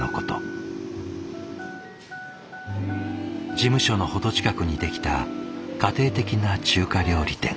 事務所の程近くに出来た家庭的な中華料理店。